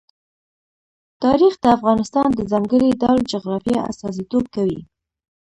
تاریخ د افغانستان د ځانګړي ډول جغرافیه استازیتوب کوي.